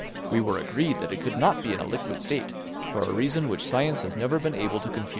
We were agreed that it could not be in a liquid state, for a reason which science has never been able to confute."